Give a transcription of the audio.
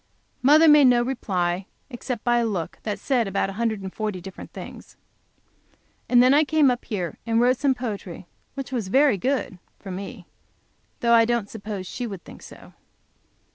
Mother made no reply, except by a look which said about a hundred and forty different things. And then I came up here and wrote some poetry, which was very good (for me), though I don't suppose she would think so.